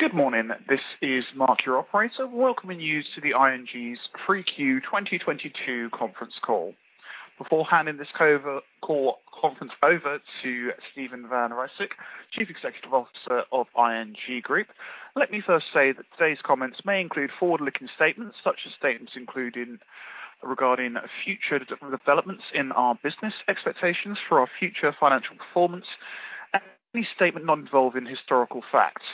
Good morning. This is Mark, your operator. Welcoming you to the ING's 3Q 2022 Conference Call. Now, I will turn the conference call over to Steven van Rijswijk, Chief Executive Officer of ING Group. Let me first say that today's comments may include forward-looking statements, such as statements, including regarding future developments in our business, expectations for our future financial performance, and any statement not involving historical facts.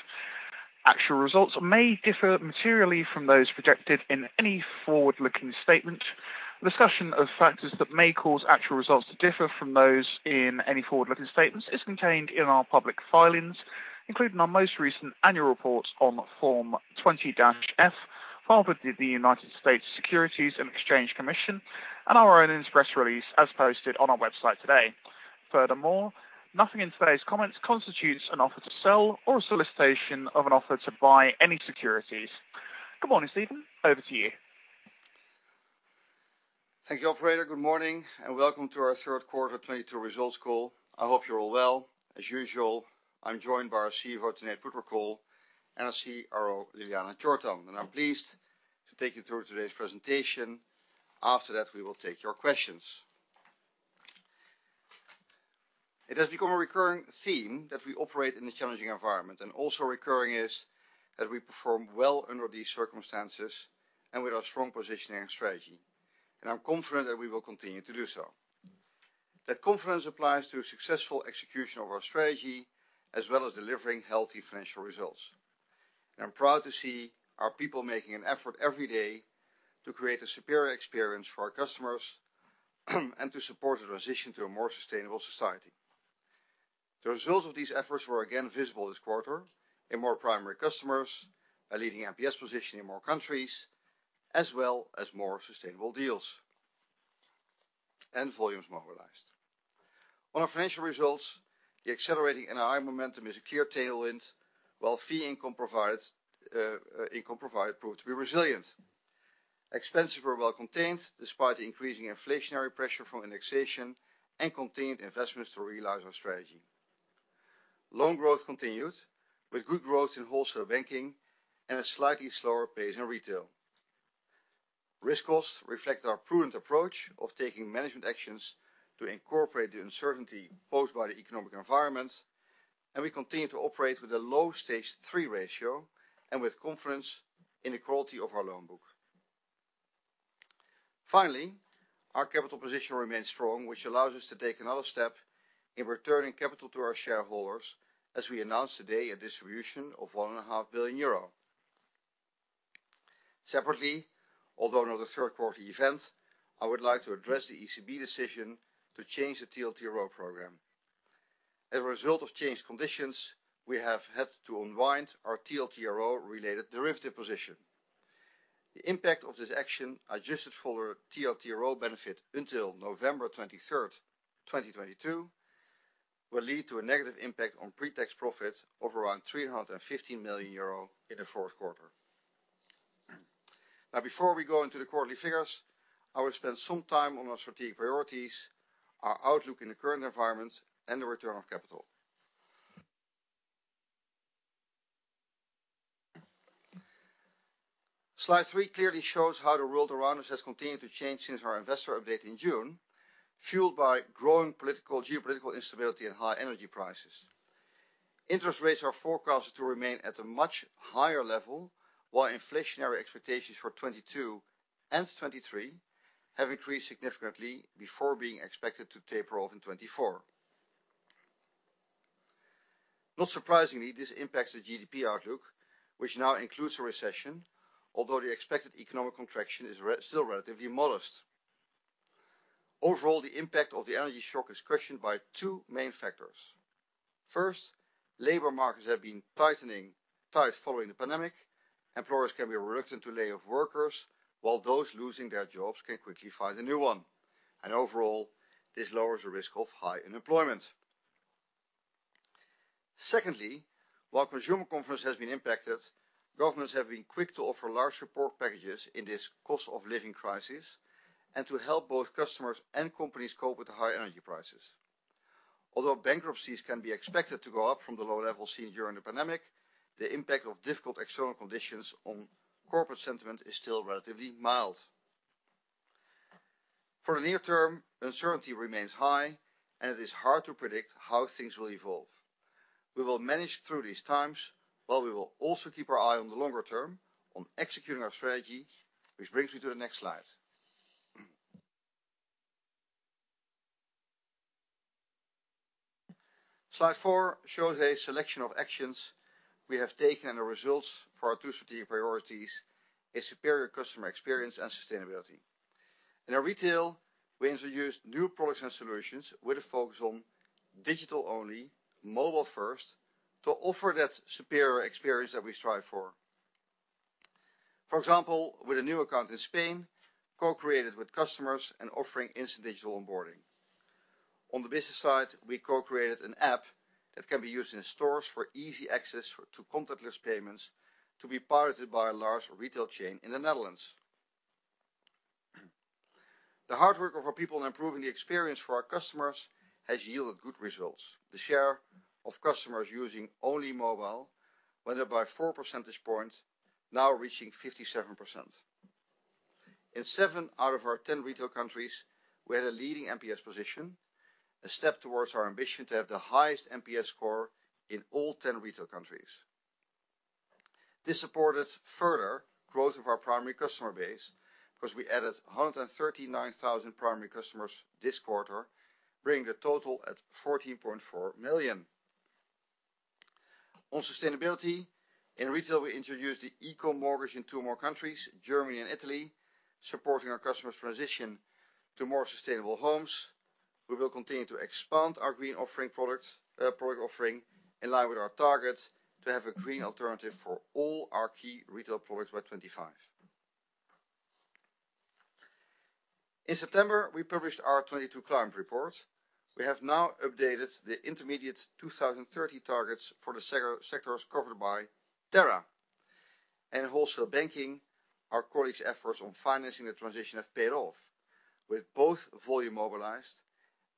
Actual results may differ materially from those projected in any forward-looking statement. Discussion of factors that may cause actual results to differ from those in any forward-looking statements is contained in our public filings, including our most recent annual report on Form 20-F, filed with the United States Securities and Exchange Commission and our press release as posted on our website today. Furthermore, nothing in today's comments constitutes an offer to sell or a solicitation of an offer to buy any securities. Good morning, Steven. Over to you. Thank you, operator. Good morning, and welcome to our Q3 2022 results call. I hope you're all well. As usual, I'm joined by our CFO, Tanate Phutrakul and our CRO, Ljiljana Čortan. I'm pleased to take you through today's presentation. After that, we will take your questions. It has become a recurring theme that we operate in a challenging environment, and also recurring is that we perform well under these circumstances and with our strong positioning and strategy. I'm confident that we will continue to do so. That confidence applies to a successful execution of our strategy, as well as delivering healthy financial results. I'm proud to see our people making an effort every day to create a superior experience for our customers, and to support the transition to a more sustainable society. The results of these efforts were again visible this quarter in more primary customers, a leading NPS position in more countries, as well as more sustainable deals and volumes mobilized. On our financial results, the accelerating NII momentum is a clear tailwind, while fee income provided proved to be resilient. Expenses were well contained despite the increasing inflationary pressure from indexation and contained investments to realize our strategy. Loan growth continued with good growth in Wholesale Banking and a slightly slower pace in retail. Risk costs reflect our prudent approach of taking management actions to incorporate the uncertainty posed by the economic environment, and we continue to operate with a low Stage 3 ratio and with confidence in the quality of our loan book. Finally, our capital position remains strong, which allows us to take another step in returning capital to our shareholders, as we announced today a distribution of 1.5 Billion euro. Separately, although not a Q3 event, I would like to address the ECB decision to change the TLTRO program. As a result of changed conditions, we have had to unwind our TLTRO-related derivative position. The impact of this action, adjusted for TLTRO benefit until 23 November 2022, will lead to a negative impact on pre-tax profits of around 350 million euro in the fourth quarter. Now before we go into the quarterly figures, I will spend some time on our strategic priorities, our outlook in the current environment, and the return on capital. Slide three clearly shows how the world around us has continued to change since our investor update in June, fueled by growing political, geopolitical instability and high energy prices. Interest rates are forecasted to remain at a much higher level, while inflationary expectations for 2022 and 2023 have increased significantly before being expected to taper off in 2024. Not surprisingly, this impacts the GDP outlook, which now includes a recession, although the expected economic contraction is still relatively modest. Overall, the impact of the energy shock is cushioned by two main factors. First, labor markets have been tightening following the pandemic. Employers can be reluctant to lay off workers, while those losing their jobs can quickly find a new one. Overall, this lowers the risk of high unemployment. Secondly, while consumer confidence has been impacted, governments have been quick to offer large support packages in this cost of living crisis and to help both customers and companies cope with the high energy prices. Although bankruptcies can be expected to go up from the low levels seen during the pandemic, the impact of difficult external conditions on corporate sentiment is still relatively mild. For the near term, uncertainty remains high, and it is hard to predict how things will evolve. We will manage through these times, while we will also keep our eye on the longer term on executing our strategy, which brings me to the next slide. Slide four shows a selection of actions we have taken and the results for our two strategic priorities, a superior customer experience and sustainability. In our retail, we introduced new products and solutions with a focus on digital-only, mobile-first to offer that superior experience that we strive for. For example, with a new account in Spain, co-created with customers and offering instant digital onboarding. On the business side, we co-created an app that can be used in stores for easy access to contactless payments to be piloted by a large retail chain in the Netherlands. The hard work of our people in improving the experience for our customers has yielded good results. The share of customers using only mobile went up by four percentage points, now reaching 57%. In seven out of our 10 retail countries, we had a leading NPS position, a step towards our ambition to have the highest NPS score in all 10 retail countries. This supported further growth of our primary customer base, because we added 139,000 primary customers this quarter, bringing the total to 14.4 million. On sustainability, in retail, we introduced the eco mortgage in two more countries, Germany and Italy, supporting our customers' transition to more sustainable homes. We will continue to expand our green offering products, product offering in line with our target to have a green alternative for all our key retail products by 2025. In September, we published our 2022 climate report. We have now updated the intermediate 2030 targets for the sub-sectors covered by Terra. In wholesale banking, our colleagues' efforts on financing the transition have paid off, with both volume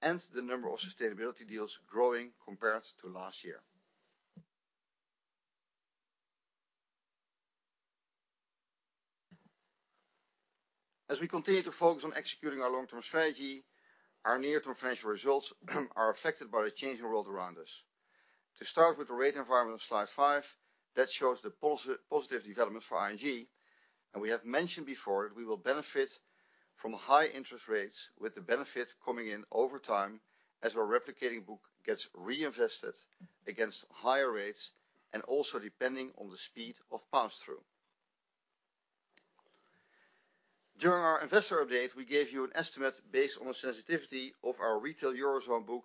mobilized and the number of sustainability deals growing compared to last year. As we continue to focus on executing our long-term strategy, our near-term financial results are affected by the changing world around us. To start with the rate environment on slide five, that shows the positive development for ING, and we have mentioned before we will benefit from high interest rates, with the benefit coming in over time as our replicating book gets reinvested against higher rates, and also depending on the speed of pass-through. During our investor update, we gave you an estimate based on the sensitivity of our retail eurozone book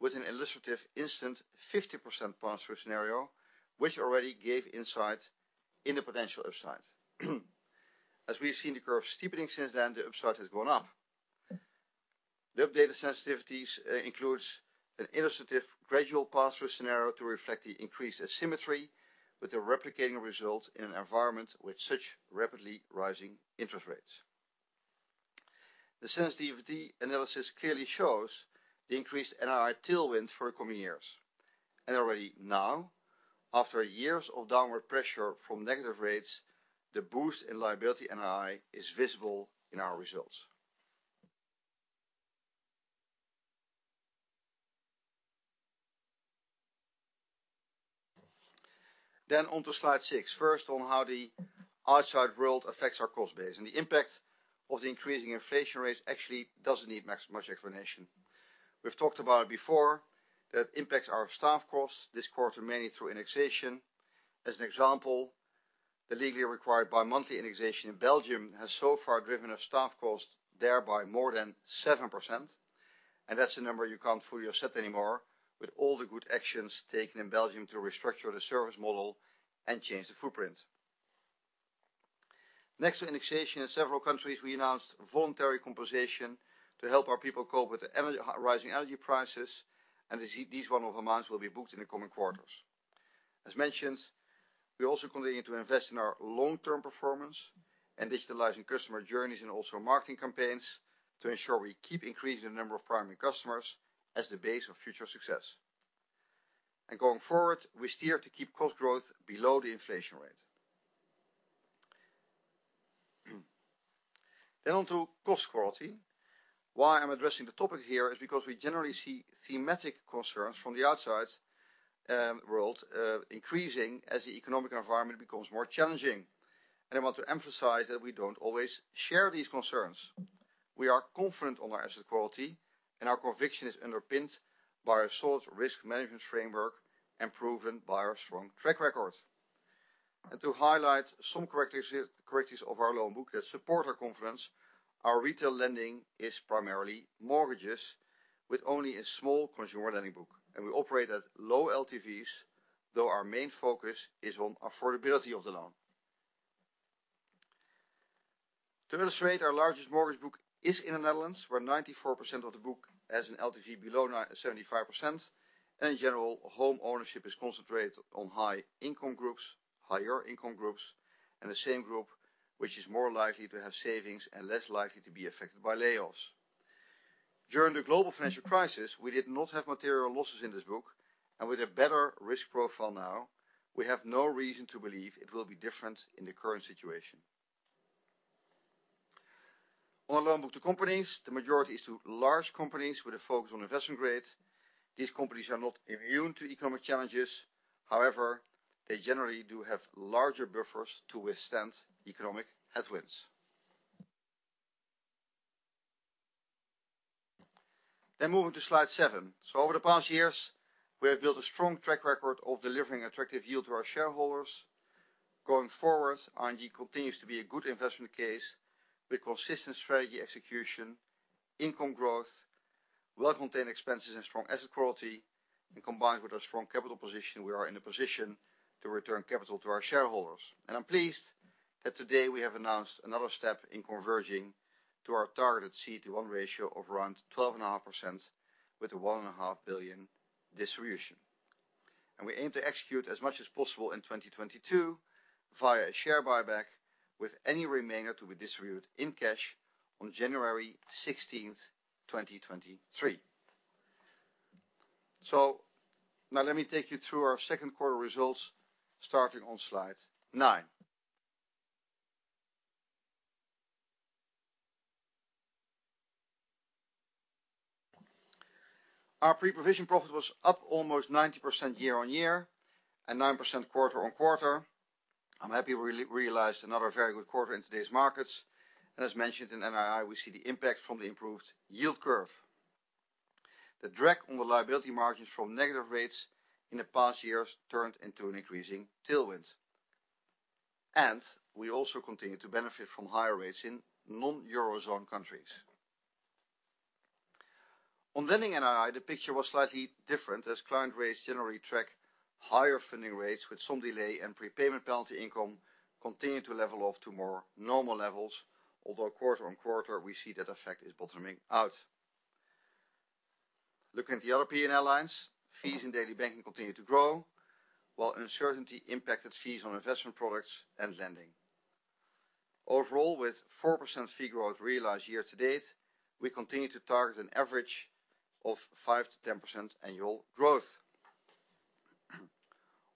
with an illustrative instant 50% pass-through scenario, which already gave insight in the potential upside. As we have seen the curve steepening since then, the upside has gone up. The updated sensitivities includes an illustrative gradual pass-through scenario to reflect the increased asymmetry with the replicating result in an environment with such rapidly rising interest rates. The sensitivity analysis clearly shows the increased NII tailwind for the coming years. Already now, after years of downward pressure from negative rates, the boost in liability NII is visible in our results. On to slide six. First, on how the outside world affects our cost base, and the impact of the increasing inflation rates actually doesn't need much explanation. We've talked about it before, that impacts our staff costs this quarter, mainly through indexation. As an example, the legally required bi-monthly indexation in Belgium has so far driven a staff cost thereby more than 7%, and that's the number you can't fully offset anymore with all the good actions taken in Belgium to restructure the service model and change the footprint. Next to indexation, in several countries we announced voluntary compensation to help our people cope with the rising energy prices and these one-off amounts will be booked in the coming quarters. As mentioned, we are also continuing to invest in our long-term performance and digitalizing customer journeys and also marketing campaigns to ensure we keep increasing the number of primary customers as the base of future success. Going forward, we steer to keep cost growth below the inflation rate. On to asset quality. Why I'm addressing the topic here is because we generally see thematic concerns from the outside world increasing as the economic environment becomes more challenging. I want to emphasize that we don't always share these concerns. We are confident on our asset quality, and our conviction is underpinned by a solid risk management framework and proven by our strong track record. To highlight some characteristics of our loan book that support our confidence, our retail lending is primarily mortgages with only a small consumer lending book. We operate at low LTVs, though our main focus is on affordability of the loan. To illustrate, our largest mortgage book is in the Netherlands, where 94% of the book has an LTV below 97.5%, and in general, home ownership is concentrated on higher income groups, and the same group, which is more likely to have savings and less likely to be affected by layoffs. During the global financial crisis, we did not have material losses in this book, and with a better risk profile now, we have no reason to believe it will be different in the current situation. On our loan book to companies, the majority is to large companies with a focus on investment grade. These companies are not immune to economic challenges. However, they generally do have larger buffers to withstand economic headwinds. Moving to slide seven. Over the past years, we have built a strong track record of delivering attractive yield to our shareholders. Going forward, ING continues to be a good investment case with consistent strategy execution, income growth, well-contained expenses and strong asset quality, and combined with our strong capital position, we are in a position to return capital to our shareholders. I'm pleased that today we have announced another step in converging to our targeted CET1 ratio of around 12.5% with a 1.5 billion distribution. We aim to execute as much as possible in 2022 via a share buyback, with any remainder to be distributed in cash on 16 January 2023. Now let me take you through our second quarter results, starting on slide nine. Our pre-provision profit was up almost 90% year-on-year and 9% quarter-on-quarter. I'm happy we realized another very good quarter in today's markets, and as mentioned in NII, we see the impact from the improved yield curve. The drag on the liability margins from negative rates in the past years turned into an increasing tailwind. We also continue to benefit from higher rates in non-Eurozone countries. On lending NII, the picture was slightly different as client rates generally track higher funding rates with some delay and prepayment penalty income continued to level off to more normal levels. Although quarter-on-quarter, we see that effect is bottoming out. Looking at the other P&L lines, fees and daily banking continue to grow, while uncertainty impacted fees on investment products and lending. Overall, with 4% fee growth realized year to date, we continue to target an average of 5%-10% annual growth.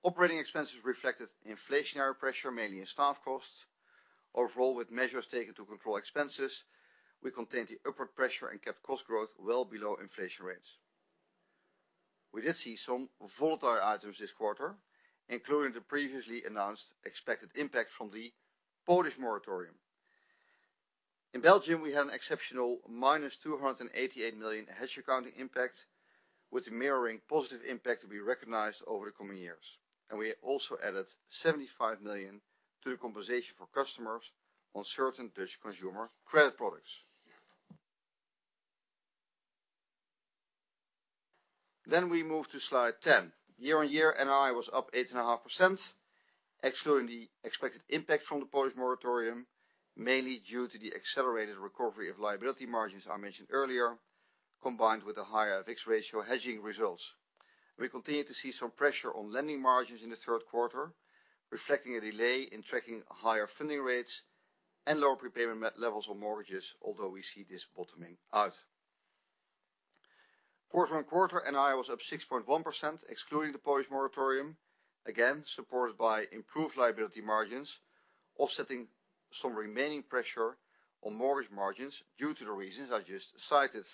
Operating expenses reflected inflationary pressure, mainly in staff costs. Overall, with measures taken to control expenses, we contained the upward pressure and kept cost growth well below inflation rates. We did see some volatile items this quarter, including the previously announced expected impact from the Polish moratorium. In Belgium, we had an exceptional 288 million hedge accounting impact, with the mirroring positive impact to be recognized over the coming years. We also added 75 million to the compensation for customers on certain Dutch consumer credit products. We move to slide 10. Year on year, NII was up 8.5%, excluding the expected impact from the Polish moratorium, mainly due to the accelerated recovery of liability margins I mentioned earlier, combined with a higher FX ratio hedging results. We continued to see some pressure on lending margins in the Q3, reflecting a delay in tracking higher funding rates and lower prepayment levels on mortgages, although we see this bottoming out. Quarter-over-quarter, NII was up 6.1%, excluding the Polish moratorium, again, supported by improved liability margins, offsetting some remaining pressure on mortgage margins due to the reasons I just cited.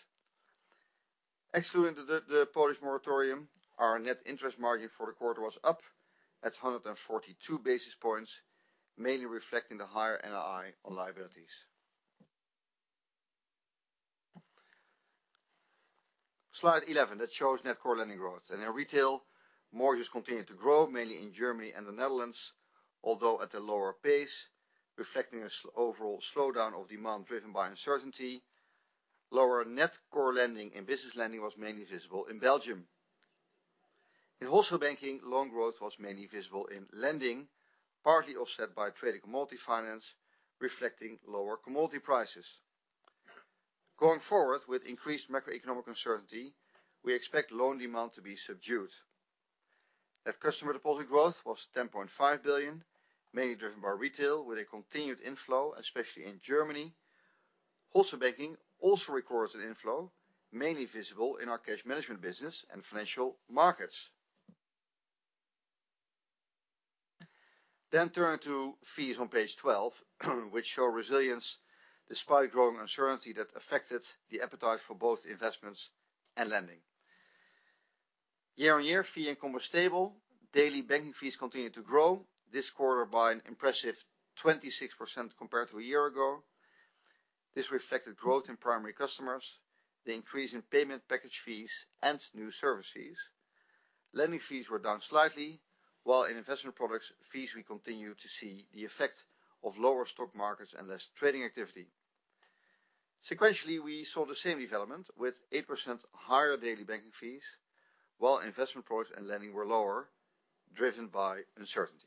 Excluding the Polish moratorium, our net interest margin for the quarter was up at 142 basis points, mainly reflecting the higher NII on liabilities. Slide 11, that shows net core lending growth. In retail, mortgages continued to grow, mainly in Germany and the Netherlands, although at a lower pace, reflecting an overall slowdown of demand driven by uncertainty. Lower net core lending and business lending was mainly visible in Belgium. In wholesale banking, loan growth was mainly visible in lending, partly offset by Trade and Commodity Finance, reflecting lower commodity prices. Going forward, with increased macroeconomic uncertainty, we expect loan demand to be subdued. Net customer deposit growth was 10.5 billion, mainly driven by retail, with a continued inflow, especially in Germany. Wholesale banking also records an inflow, mainly visible in our cash management business and Financial Markets. Turn to fees on page 12, which show resilience despite growing uncertainty that affected the appetite for both investments and lending. Year-on-year, fee income was stable. Daily Banking fees continued to grow, this quarter by an impressive 26% compared to a year ago. This reflected growth in primary customers, the increase in payment package fees and new services. Lending fees were down slightly, while in investment products fees, we continue to see the effect of lower stock markets and less trading activity. Sequentially, we saw the same development with 8% higher Daily Banking fees, while investment products and lending were lower, driven by uncertainty.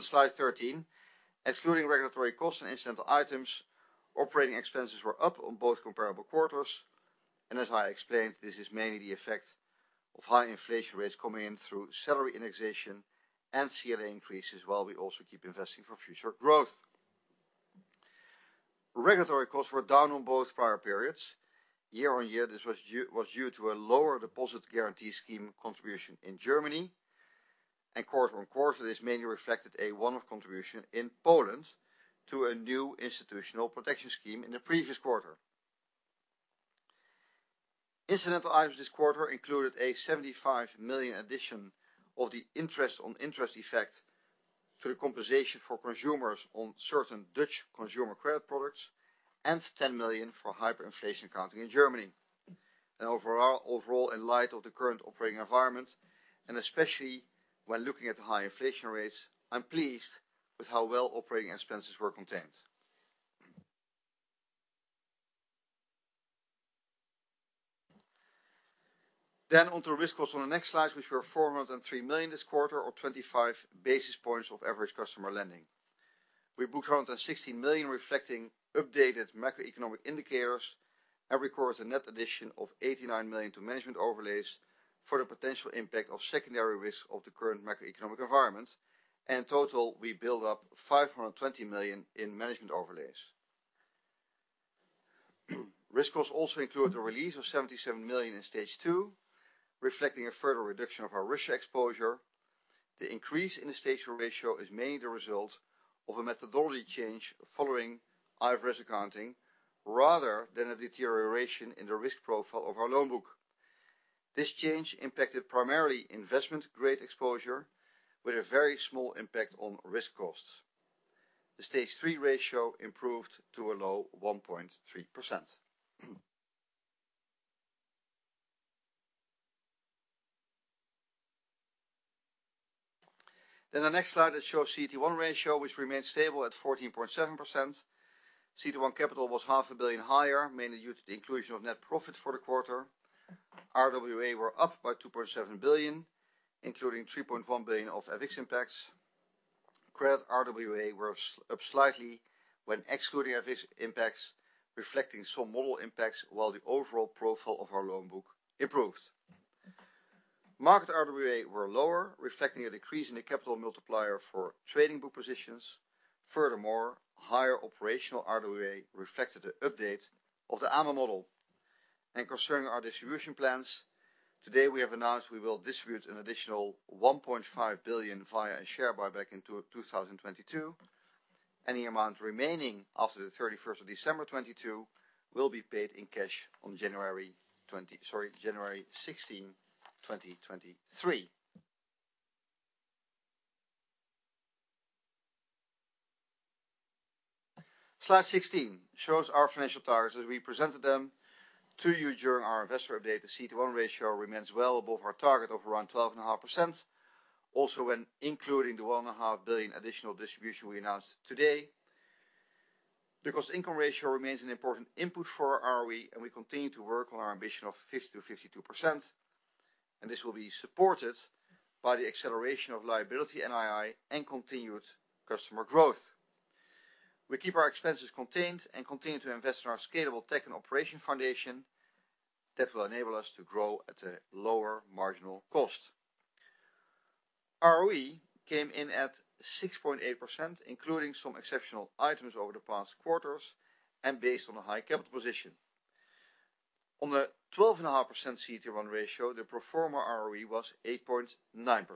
Slide 13. Excluding regulatory costs and incidental items, operating expenses were up on both comparable quarters. As I explained, this is mainly the effect of high inflation rates coming in through salary indexation and CLA increases, while we also keep investing for future growth. Regulatory costs were down on both prior periods. Year-on-year, this was due to a lower deposit guarantee scheme contribution in Germany. Quarter-on-quarter, this mainly reflected a one-off contribution in Poland to a new institutional protection scheme in the previous quarter. Incidental items this quarter included a 75 million addition of the interest on interest effect to the compensation for consumers on certain Dutch consumer credit products and 10 million for hyperinflation accounting in Germany. Overall, in light of the current operating environment, and especially when looking at the high inflation rates, I'm pleased with how well operating expenses were contained. On to risk costs on the next slide, which were 403 million this quarter, or 25 basis points of average customer lending. We booked 160 million reflecting updated macroeconomic indicators and recorded a net addition of 89 million to management overlays for the potential impact of secondary risk of the current macroeconomic environment. In total, we build up 520 million in management overlays. Risk costs also include the release of 77 million in Stage 2, reflecting a further reduction of our risk exposure. The increase in the Stage 2 ratio is mainly the result of a methodology change following IFRS accounting, rather than a deterioration in the risk profile of our loan book. This change impacted primarily investment grade exposure with a very small impact on risk costs. The Stage 3 ratio improved to a low 1.3%. The next slide that shows CET1 ratio, which remains stable at 14.7%. CET1 capital was EUR half a billion higher, mainly due to the inclusion of net profit for the quarter. RWA were up by 2.7 billion, including 3.1 billion of AVIX impacts. Credit RWA were up slightly when excluding AVIX impacts, reflecting some model impacts while the overall profile of our loan book improved. Market RWA were lower, reflecting a decrease in the capital multiplier for trading book positions. Furthermore, higher operational RWA reflected the update of the AMA model. Concerning our distribution plans, today we have announced we will distribute an additional 1.5 billion via a share buyback in 2022. Any amount remaining after the 31 December 2022 will be paid in cash on 16 January 2023. Slide 16 shows our financial targets as we presented them to you during our investor update. The CET1 ratio remains well above our target of around 12.5%. Also, when including the 1.5 billion additional distribution we announced today. The cost income ratio remains an important input for our ROE, and we continue to work on our ambition of 50%-52%, and this will be supported by the acceleration of liability NII and continued customer growth. We keep our expenses contained and continue to invest in our scalable tech and operation foundation that will enable us to grow at a lower marginal cost. ROE came in at 6.8%, including some exceptional items over the past quarters and based on a high capital position. On the 12.5% CET1 ratio, the pro forma ROE was 8.9%.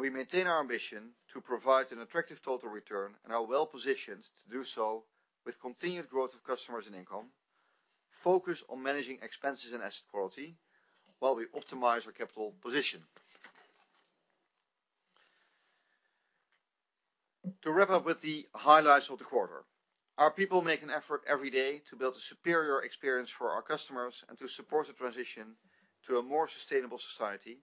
We maintain our ambition to provide an attractive total return and are well-positioned to do so with continued growth of customers and income, focus on managing expenses and asset quality while we optimize our capital position. To wrap up with the highlights of the quarter, our people make an effort every day to build a superior experience for our customers and to support the transition to a more sustainable society.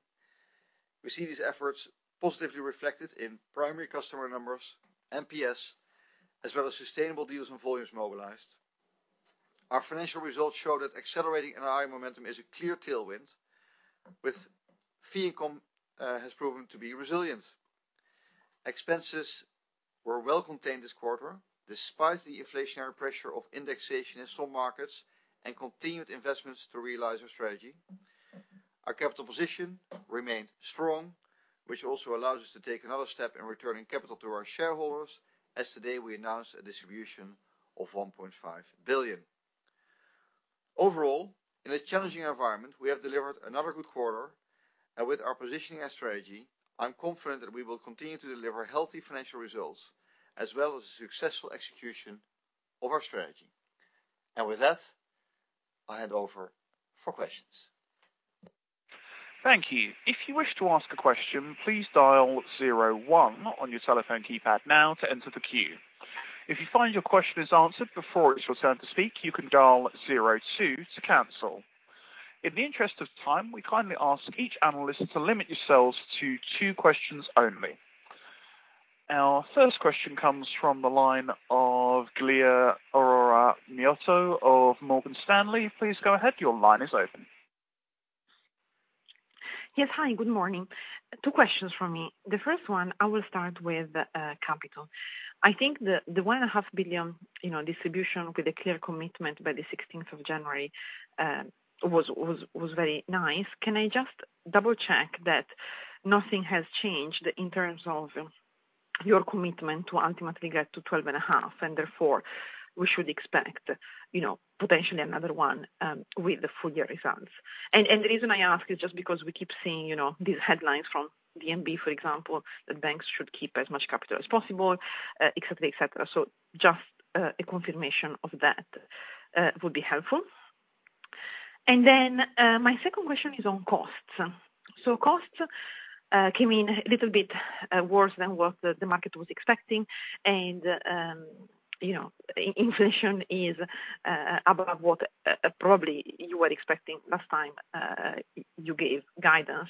We see these efforts positively reflected in primary customer numbers, NPS, as well as sustainable deals and volumes mobilized. Our financial results show that accelerating NII momentum is a clear tailwind, with fee income has proven to be resilient. Expenses were well contained this quarter, despite the inflationary pressure of indexation in some markets and continued investments to realize our strategy. Our capital position remained strong, which also allows us to take another step in returning capital to our shareholders, as today we announced a distribution of 1.5 billion. Overall, in a challenging environment, we have delivered another good quarter, and with our positioning and strategy, I'm confident that we will continue to deliver healthy financial results as well as a successful execution of our strategy. With that, I hand over for questions. Thank you. If you wish to ask a question, please dial zero one on your telephone keypad now to enter the queue. If you find your question is answered before it's your turn to speak, you can dial zero two to cancel. In the interest of time, we kindly ask each analyst to limit yourselves to two questions only. Our first question comes from the line of Giulia Aurora Miotto of Morgan Stanley. Please go ahead. Your line is open. Yes. Hi, good morning. Two questions from me. The first one, I will start with, capital. I think the 1.5 billion, you know, distribution with a clear commitment by the 16 January, was very nice. Can I just double-check that nothing has changed in terms of your commitment to ultimately get to 12.5%, and therefore we should expect, you know, potentially another one, with the full year results? The reason I ask is just because we keep seeing, you know, these headlines from the ECB, for example, that banks should keep as much capital as possible, et cetera, et cetera. So just a confirmation of that would be helpful. Then my second question is on costs. Costs came in a little bit worse than what the market was expecting. You know, inflation is above what probably you were expecting last time you gave guidance.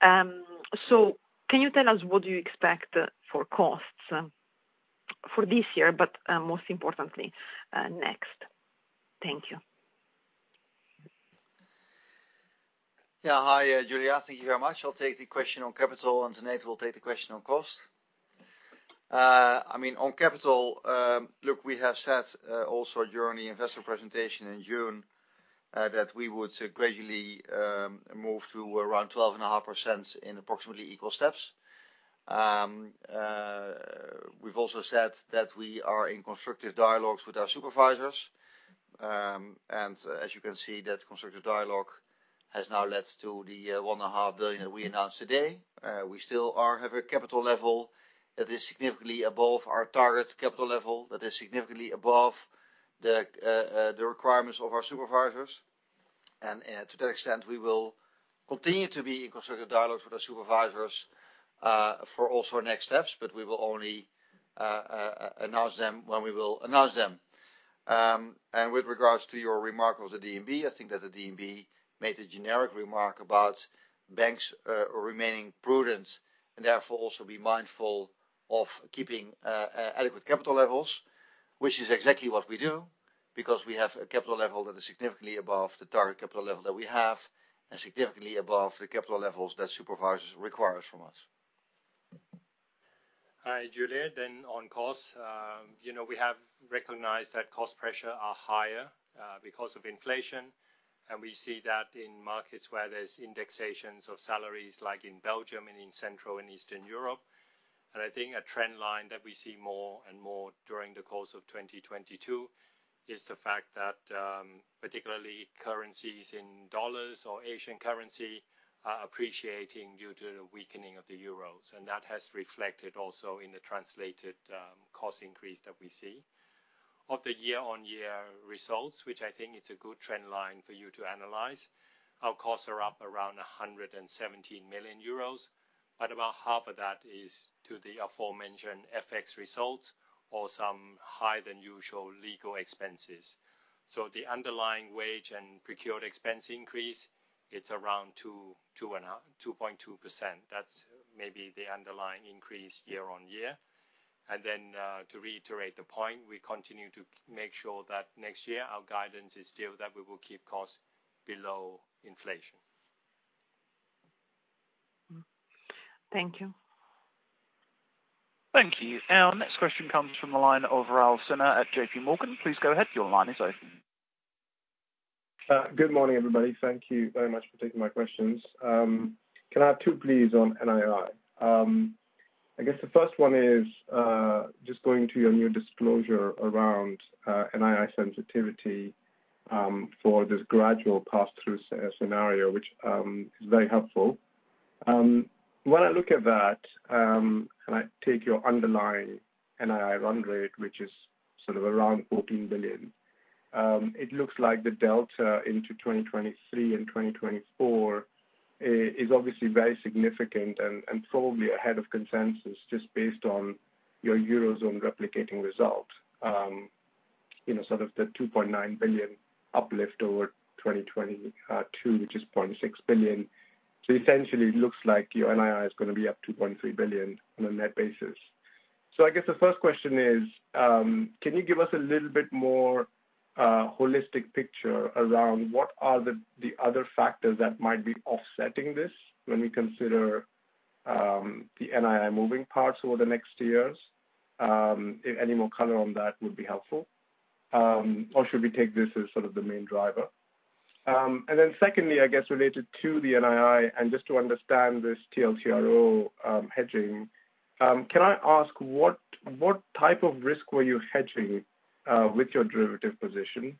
Can you tell us what you expect for costs for this year, but most importantly, next. Thank you. Yeah. Hi, Julia. Thank you very much. I'll take the question on capital, and Tanate will take the question on cost. I mean, on capital, look, we have said, also during the investor presentation in June, that we would gradually move to around 12.5% in approximately equal steps. We've also said that we are in constructive dialogues with our supervisors. As you can see, that constructive dialogue has now led to the 1.5 billion that we announced today. We still have a capital level that is significantly above our target capital level, that is significantly above the requirements of our supervisors. To that extent, we will continue to be in constructive dialogue with our supervisors, for also next steps, but we will only announce them when we will announce them. With regards to your remark of the DNB, I think that the DNB made a generic remark about banks remaining prudent and therefore also be mindful of keeping adequate capital levels, which is exactly what we do, because we have a capital level that is significantly above the target capital level that we have and significantly above the capital levels that supervisors requires from us. Hi, Julia. On costs, you know, we have recognized that cost pressure are higher, because of inflation, and we see that in markets where there's indexations of salaries like in Belgium and in Central and Eastern Europe. I think a trend line that we see more and more during the course of 2022 is the fact that, particularly currencies in dollars or Asian currency are appreciating due to the weakening of the euros, and that has reflected also in the translated, cost increase that we see. Of the year-on-year results, which I think it's a good trend line for you to analyze, our costs are up around 117 million euros, but about half of that is to the aforementioned FX results or some higher than usual legal expenses. The underlying wage and procured expense increase is around 2.2%. That's maybe the underlying increase year-on-year. To reiterate the point, we continue to make sure that next year our guidance is still that we will keep costs below inflation. Thank you. Thank you. Our next question comes from the line of Rahul Sinha at JP Morgan. Please go ahead. Your line is open. Good morning, everybody. Thank you very much for taking my questions. Can I have two, please, on NII? I guess the first one is just going to your new disclosure around NII sensitivity for this gradual pass-through scenario, which is very helpful. When I look at that and I take your underlying NII run rate, which is sort of around 14 billion, it looks like the delta into 2023 and 2024 is obviously very significant and probably ahead of consensus just based on your Eurozone replicating result. You know, sort of the 2.9 billion uplift over 2022, which is 0.6 billion. Essentially, it looks like your NII is gonna be up 2.3 billion on a net basis. I guess the first question is, can you give us a little bit more holistic picture around what are the other factors that might be offsetting this when we consider the NII moving parts over the next years? Any more color on that would be helpful. Or should we take this as sort of the main driver? And then secondly, I guess related to the NII and just to understand this TLTRO hedging, can I ask what type of risk were you hedging with your derivative position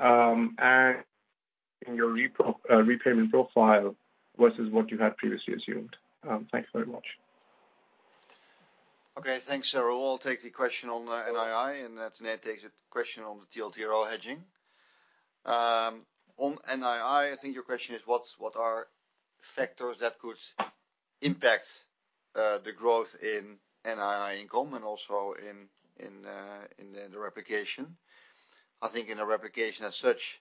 and in your repayment profile versus what you had previously assumed? Thank you very much. Okay. Thanks, Rahul. I'll take the question on NII, and then Tanate takes the question on the TLTRO hedging. On NII, I think your question is what are factors that could impact the growth in NII income and also in the replication. I think in a replication as such,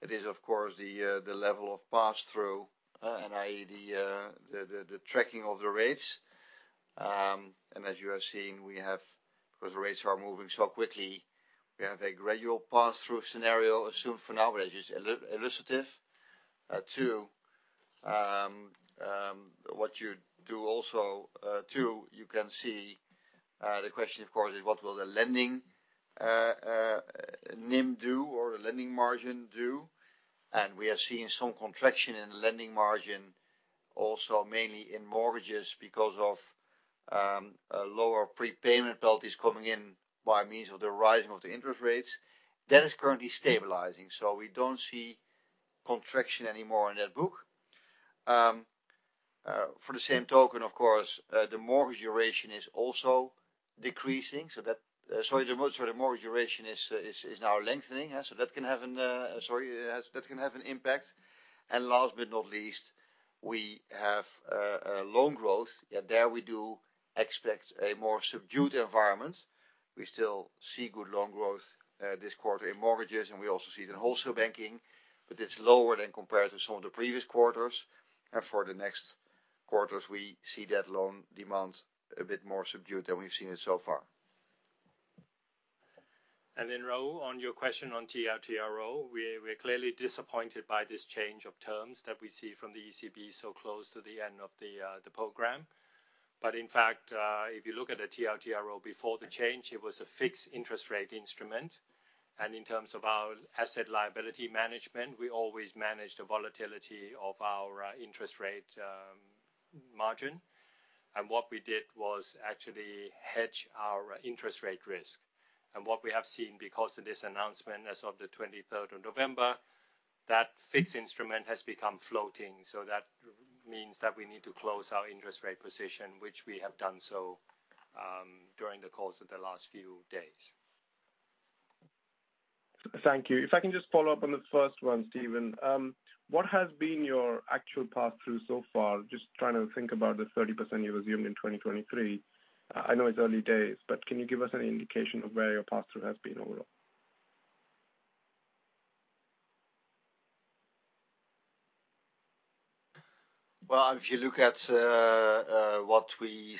it is of course the level of pass-through and, i.e., the tracking of the rates. As you are seeing, we have, because rates are moving so quickly, we have a gradual pass-through scenario assumed for now, but it is illustrative. Too, you can see the question of course is what will the lending NIM do or the lending margin do? We are seeing some contraction in lending margin also mainly in mortgages because of a lower prepayment penalties coming in by means of the rising of the interest rates. That is currently stabilizing, so we don't see contraction anymore in that book. For the same token, of course, the mortgage duration is now lengthening. That can have an impact. Last but not least, we have loan growth. There we do expect a more subdued environment. We still see good loan growth this quarter in mortgages, and we also see it in wholesale banking, but it's lower than compared to some of the previous quarters. For the next quarters, we see that loan demand a bit more subdued than we've seen it so far. Rahul, on your question on TLTRO. We're clearly disappointed by this change of terms that we see from the ECB so close to the end of the program. But in fact, if you look at a TLTRO before the change, it was a fixed interest rate instrument. In terms of our asset liability management, we always manage the volatility of our interest rate margin. What we did was actually hedge our interest rate risk. What we have seen because of this announcement, as of the 23 November, that fixed instrument has become floating. That means that we need to close our interest rate position, which we have done so during the course of the last few days. Thank you. If I can just follow up on the first one, Steven. What has been your actual pass-through so far? Just trying to think about the 30% you assumed in 2023. I know it's early days, but can you give us any indication of where your pass-through has been overall? Well, if you look at what we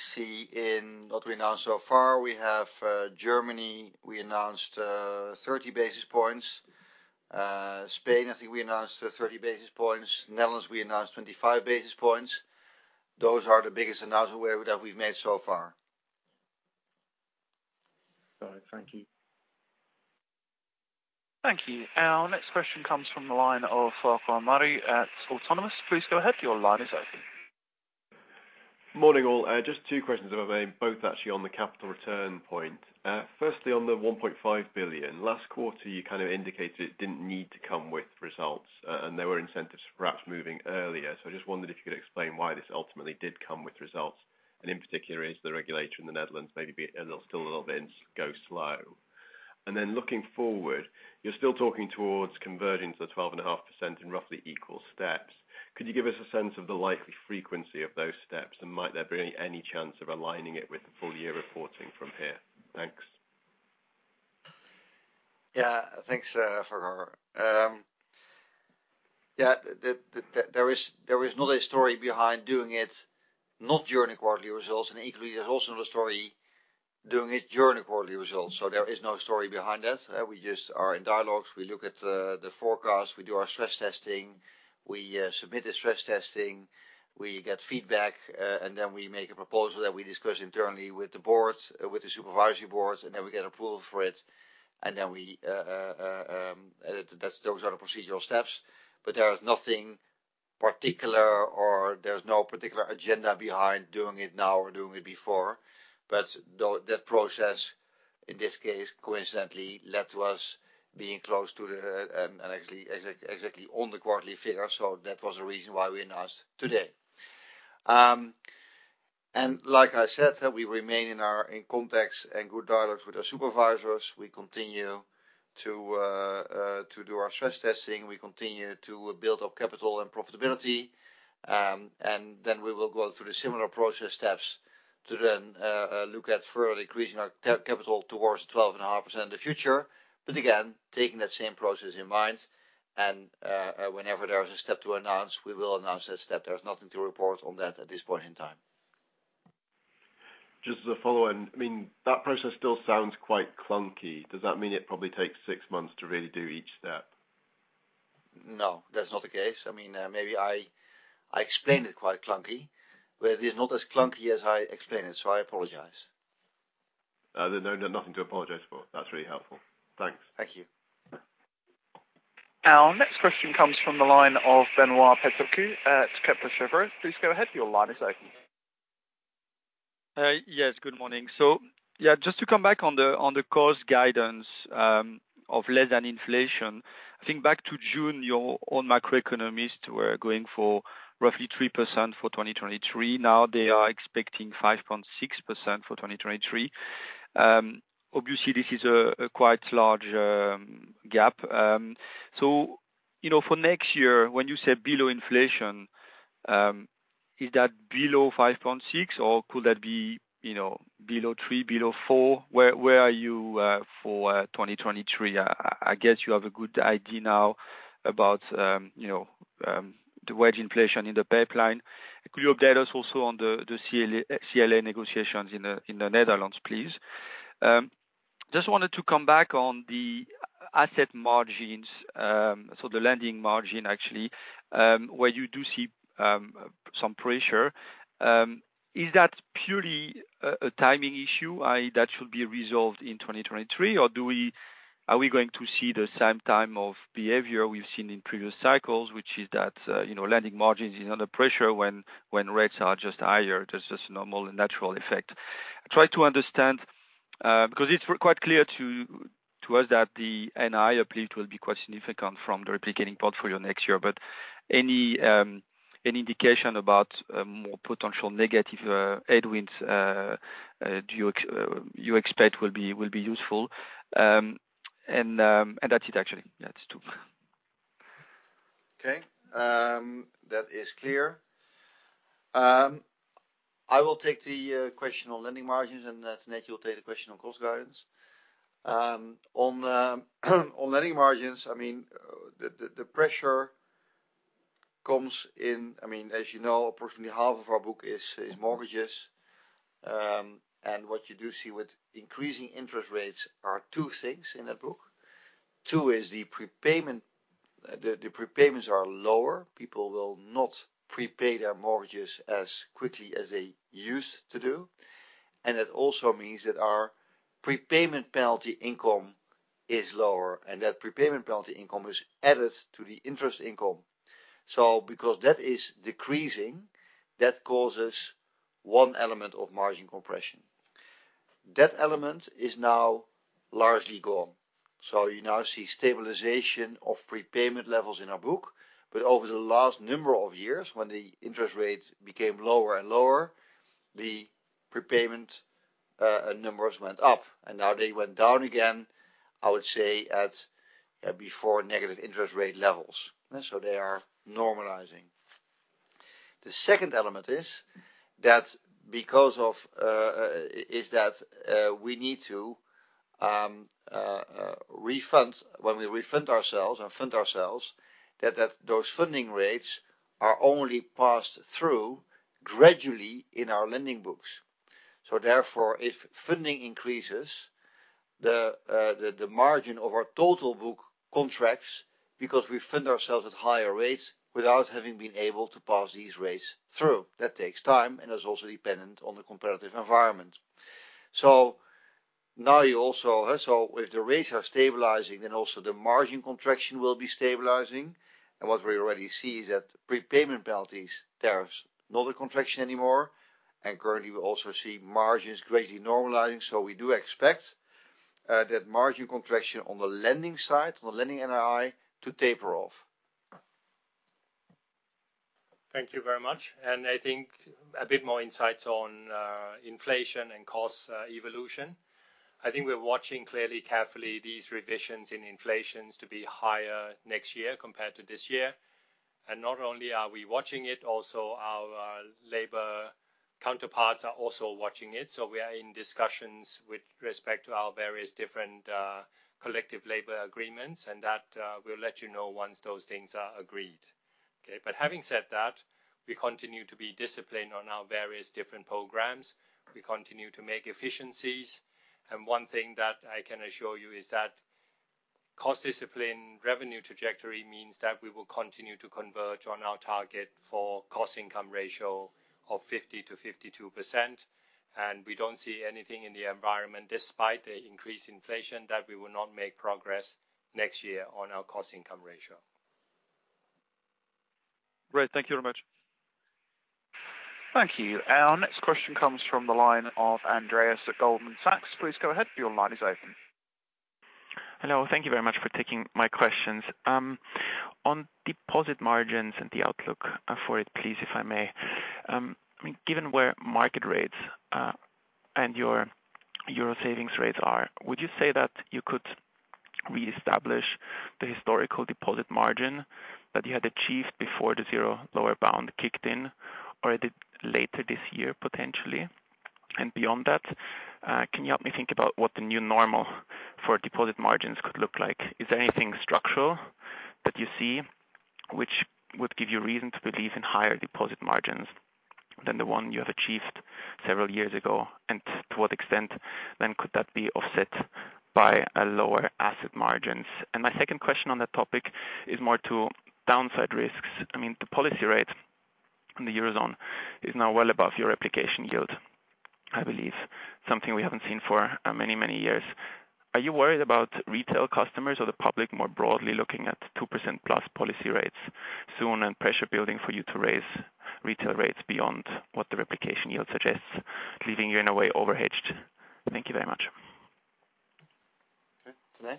announced so far. We have Germany, we announced 30 basis points. Spain, I think we announced 30 basis points. Netherlands, we announced 25 basis points. Those are the biggest announcement that we've made so far. All right, thank you. Thank you. Our next question comes from the line of Farquhar Murray at Autonomous Research. Please go ahead, your line is open. Morning, all. Just two questions if I may, both actually on the capital return point. Firstly, on the 1.5 billion. Last quarter, you kind of indicated it didn't need to come with results, and there were incentives for perhaps moving earlier. I just wondered if you could explain why this ultimately did come with results. In particular, is the regulator in the Netherlands maybe being a little, still a little bit go slow? Looking forward, you're still talking towards converging to the 12.5% in roughly equal steps. Could you give us a sense of the likely frequency of those steps, and might there be any chance of aligning it with the full year reporting from here? Thanks. Yeah. Thanks, Farquhar. Yeah, there is not a story behind doing it, not during the quarterly results and equally, there's also no story doing it during the quarterly results. There is no story behind that. We just are in dialogues. We look at the forecast. We do our stress testing. We submit the stress testing. We get feedback, and then we make a proposal that we discuss internally with the boards, with the supervisory boards, and then we get approval for it. Those are the procedural steps. There is nothing particular or there's no particular agenda behind doing it now or doing it before. That process, in this case, coincidentally led to us being close to the, and actually, exactly on the quarterly figure. That was the reason why we announced today. Like I said, we remain in our contacts and good dialogues with our supervisors. We continue to do our stress testing. We continue to build up capital and profitability. We will go through the similar process steps to look at further increasing our capital towards 12.5% in the future. Again, taking that same process in mind, whenever there is a step to announce, we will announce that step. There's nothing to report on that at this point in time. Just as a follow-on. I mean, that process still sounds quite clunky. Does that mean it probably takes six months to really do each step? No, that's not the case. I mean, maybe I explained it quite clunky, but it is not as clunky as I explained it, so I apologize. No, no, nothing to apologize for. That's really helpful. Thanks. Thank you. Our next question comes from the line of Benoît Pétrarque at Kepler Cheuvreux. Please go ahead, your line is open. Yes, good morning. Yeah, just to come back on the cost guidance of less than inflation. I think back to June, your own macroeconomists were going for roughly 3% for 2023. Now they are expecting 5.6% for 2023. Obviously, this is a quite large gap. You know, for next year, when you say below inflation, is that below 5.6%, or could that be, you know, below 3%, below 4%? Where are you for 2023? I guess you have a good idea now about you know, the wage inflation in the pipeline. Could you update us also on the CLA negotiations in the Netherlands, please? Just wanted to come back on the asset margins. The lending margin actually. Where you do see some pressure. Is that purely a timing issue, i.e., that should be resolved in 2023? Or are we going to see the same type of behavior we've seen in previous cycles, which is that you know, lending margins is under pressure when rates are just higher, just normal and natural effect? I try to understand because it's quite clear to us that the NII uplift will be quite significant from the replicating portfolio next year. But any indication about more potential negative headwinds you expect will be useful. That's it actually. That's two. Okay. That is clear. I will take the question on lending margins, and Tanate Phutrakul will take the question on cost guidance. On lending margins, I mean, the pressure comes in. I mean, as you know, approximately half of our book is mortgages. What you do see with increasing interest rates are two things in that book. The prepayments are lower. People will not prepay their mortgages as quickly as they used to do. It also means that our prepayment penalty income is lower, and that prepayment penalty income is added to the interest income. Because that is decreasing, that causes one element of margin compression. That element is now largely gone, so you now see stabilization of prepayment levels in our book. Over the last number of years, when the interest rates became lower and lower, the prepayment numbers went up, and now they went down again. I would say before negative interest rate levels. They are normalizing. The second element is that we need to refund when we refund ourselves and fund ourselves that those funding rates are only passed through gradually in our lending books. Therefore, if funding increases, the margin of our total book contracts because we fund ourselves at higher rates without having been able to pass these rates through. That takes time and is also dependent on the competitive environment. If the rates are stabilizing, then also the margin contraction will be stabilizing. What we already see is that prepayment penalties, there is no other contraction anymore. Currently we also see margins greatly normalizing. We do expect that margin contraction on the lending side, on the lending NII to taper off. Thank you very much. I think a bit more insight on inflation and cost evolution. I think we're watching very carefully these revisions in inflation to be higher next year compared to this year. Not only are we watching it, our labor counterparts are also watching it. We are in discussions with respect to our various different collective labor agreements and that we'll let you know once those things are agreed. Okay? Having said that, we continue to be disciplined on our various different programs. We continue to make efficiencies. One thing that I can assure you is that cost discipline, revenue trajectory means that we will continue to converge on our target for cost-to-income ratio of 50%-52%. We don't see anything in the environment, despite the increased inflation, that we will not make progress next year on our cost-to-income ratio. Great. Thank you very much. Thank you. Our next question comes from the line of Andreas at Goldman Sachs. Please go ahead. Your line is open. Hello. Thank you very much for taking my questions. On deposit margins and the outlook for it, please, if I may. I mean, given where market rates and your euro savings rates are, would you say that you could reestablish the historical deposit margin that you had achieved before the zero lower bound kicked in or at later this year, potentially? Beyond that, can you help me think about what the new normal for deposit margins could look like? Is there anything structural that you see which would give you reason to believe in higher deposit margins than the one you have achieved several years ago? To what extent then could that be offset by a lower asset margins? My second question on that topic is more to downside risks. I mean, the policy rate in the Eurozone is now well above your replication yield, I believe. Something we haven't seen for many, many years. Are you worried about retail customers or the public more broadly looking at 2%+ policy rates soon and pressure building for you to raise retail rates beyond what the replication yield suggests, leaving you in a way overhedged? Thank you very much. Okay.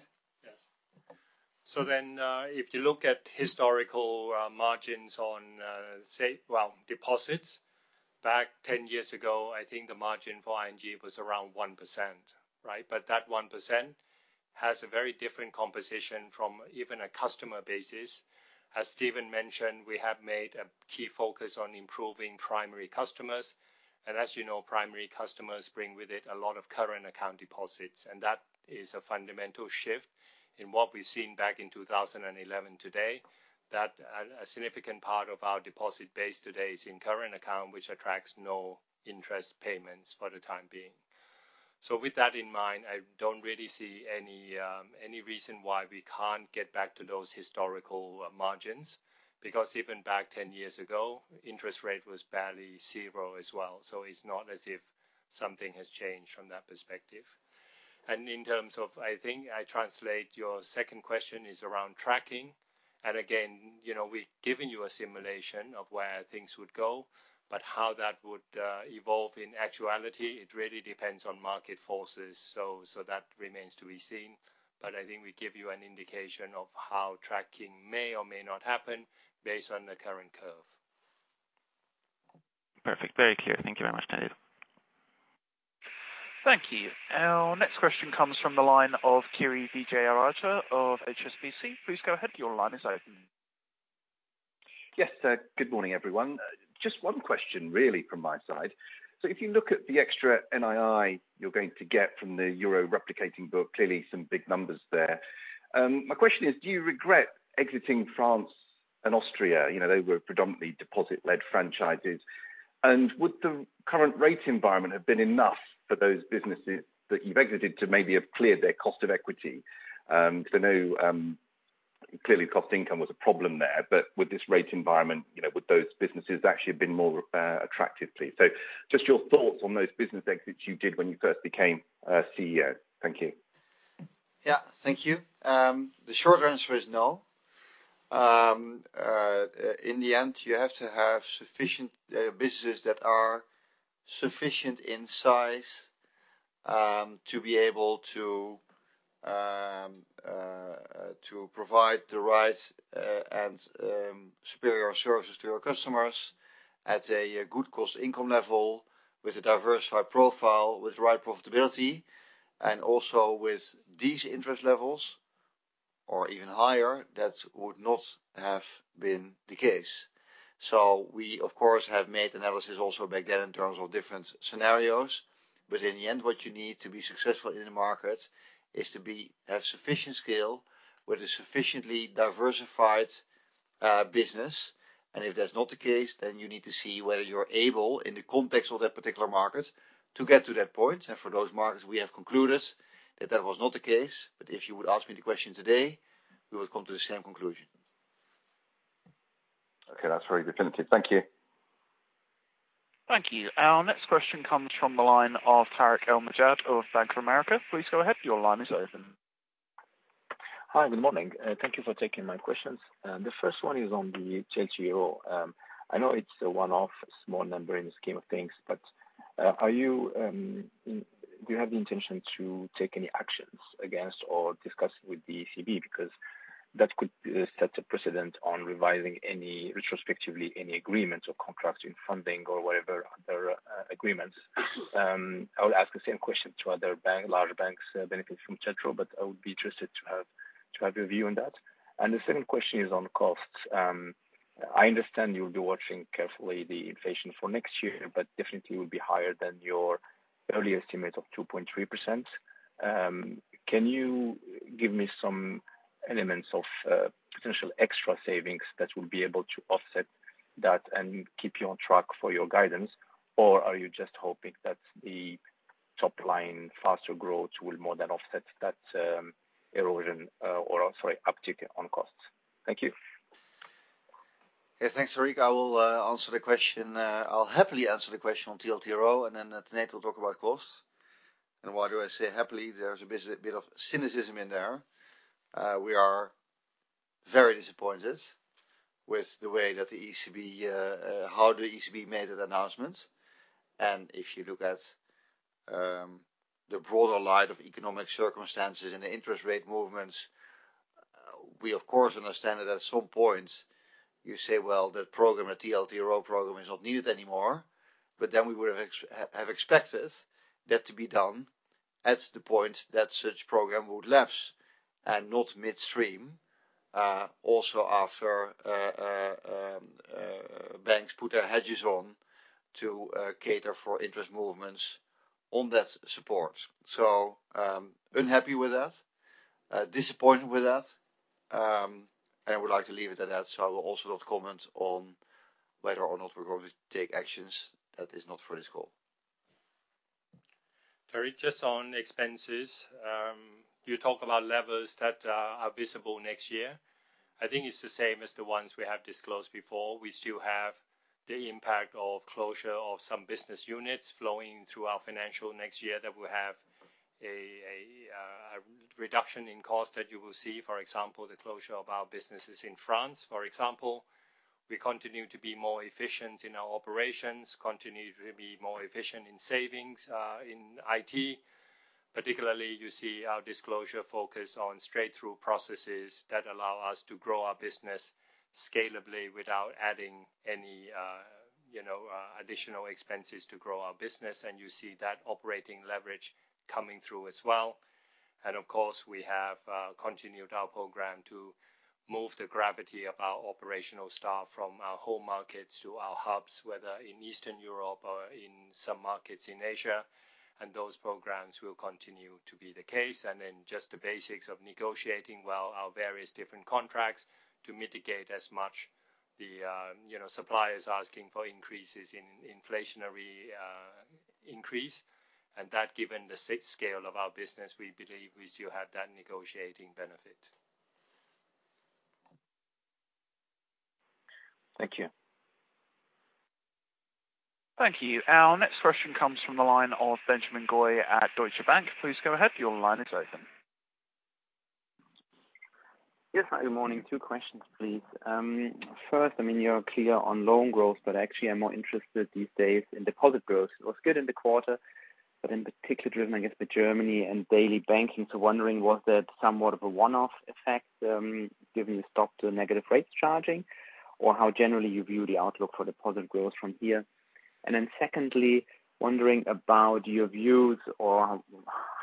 Tanate? Yes. If you look at historical margins on, say, well, deposits back 10 years ago, I think the margin for ING was around 1%, right? But that 1% has a very different composition from even a customer basis. As Steven mentioned, we have made a key focus on improving primary customers. As you know, primary customers bring with it a lot of current account deposits, and that is a fundamental shift in what we've seen back in 2011 today. That a significant part of our deposit base today is in current account, which attracts no interest payments for the time being. With that in mind, I don't really see any reason why we can't get back to those historical margins, because even back 10 years ago, interest rate was barely 0 as well. It's not as if something has changed from that perspective. In terms of, I think I translate your second question is around tracking. Again, you know, we've given you a simulation of where things would go, but how that would evolve in actuality, it really depends on market forces. That remains to be seen. I think we give you an indication of how tracking may or may not happen based on the current curve. Perfect. Very clear. Thank you very much. Thank you. Our next question comes from the line of Kirishanthan Vijayarajah of HSBC. Please go ahead, your line is open. Yes, sir. Good morning, everyone. Just one question really from my side. If you look at the extra NII you're going to get from the euro replicating portfolio, clearly some big numbers there. My question is, do you regret exiting France and Austria? You know, they were predominantly deposit-led franchises. Would the current rate environment have been enough for those businesses that you've exited to maybe have cleared their cost of equity? 'Cause I know, clearly cost income was a problem there, but with this rate environment, you know, would those businesses actually have been more attractive, please? Just your thoughts on those business exits you did when you first became CEO. Thank you. Yeah, thank you. The short answer is no. In the end, you have to have sufficient businesses that are sufficient in size to be able to provide the right and superior services to our customers at a good cost income level with a diversified profile, with the right profitability. Also with these interest levels or even higher, that would not have been the case. We of course have made analysis also back then in terms of different scenarios. In the end, what you need to be successful in the market is to have sufficient scale with a sufficiently diversified business. If that's not the case, then you need to see whether you're able, in the context of that particular market, to get to that point. For those markets, we have concluded that that was not the case. If you would ask me the question today, we would come to the same conclusion. Okay. That's very definitive. Thank you. Thank you. Our next question comes from the line of Tarik El Mejjad of Bank of America. Please go ahead, your line is open. Hi, good morning. Thank you for taking my questions. The first one is on the TLTRO. I know it's a one-off small number in the scheme of things, but do you have the intention to take any actions against or discuss with the ECB? Because that could set a precedent on revising any retrospectively agreements or contracts in funding or whatever other agreements. I would ask the same question to other large banks benefiting from TLTRO, but I would be interested to have your view on that. The second question is on costs. I understand you'll be watching carefully the inflation for next year, but definitely will be higher than your early estimate of 2.3%. Can you give me some elements of potential extra savings that will be able to offset that and keep you on track for your guidance? Or are you just hoping that the top line faster growth will more than offset that, erosion, or, I'm sorry, uptick on costs? Thank you. Yeah, thanks, Tarik. I will answer the question. I'll happily answer the question on TLTRO, and then Tanate will talk about costs. Why do I say happily? There's a bit of cynicism in there. We are very disappointed with the way that the ECB made that announcement. If you look at the broader light of economic circumstances and the interest rate movements, we of course understand that at some point you say, "Well, that program, a TLTRO program is not needed anymore." Then we would have expected that to be done at the point that such program would lapse and not midstream, also after banks put their hedges on to cater for interest movements on that support. Unhappy with that, disappointed with that. I would like to leave it at that. I will also not comment on whether or not we're going to take actions that is not for this call. Tarik, just on expenses. You talk about levels that are visible next year. I think it's the same as the ones we have disclosed before. We still have the impact of closure of some business units flowing through our financial next year that will have a reduction in cost that you will see. For example, the closure of our businesses in France, for example. We continue to be more efficient in our operations, continue to be more efficient in savings, in IT. Particularly, you see our disclosure focus on straight-through processing that allow us to grow our business scalably without adding any, you know, additional expenses to grow our business. You see that operating leverage coming through as well. Of course, we have continued our program to move the gravity of our operational staff from our home markets to our hubs, whether in Eastern Europe or in some markets in Asia. Those programs will continue to be the case. Then just the basics of negotiating well our various different contracts to mitigate as much the, you know, suppliers asking for increases in inflationary increases. That, given the scale of our business, we believe we still have that negotiating benefit. Thank you. Thank you. Our next question comes from the line of Benjamin Goy at Deutsche Bank. Please go ahead, your line is open. Yes. Hi, good morning. Two questions, please. First, I mean, you're clear on loan growth, but actually I'm more interested these days in deposit growth. It was good in the quarter, but in particular driven, I guess by Germany and Daily Banking. Wondering was that somewhat of a one-off effect, given the stop to negative rate charging? How generally you view the outlook for deposit growth from here. Secondly, wondering about your views or